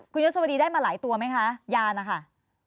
คุณยศวดีได้มาหลายตัวไหมคะยานนะคะ